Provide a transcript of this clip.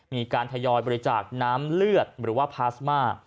มีการทยอยบริจาคน้ำเลือดหรือว่าพาสมา